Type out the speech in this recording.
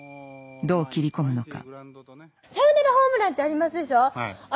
どう切り込むのか？